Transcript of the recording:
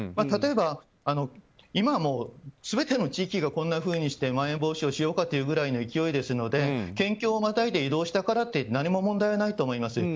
例えば、今はもう全ての地域がこんなふうにしてまん延防止をしようというぐらいの勢いですので、県境をまたいで移動したからって何も問題がないと思います。